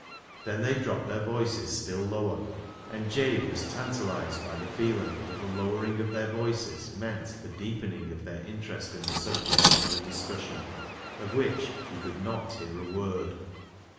Then they dropped their voices still lower, and i86 BECKSIDE LIGHTS Jabe was tantalised by the feeling that the lowering of their voices meant the deepening of their interest in the subject under discussion, of which he could not hear a word.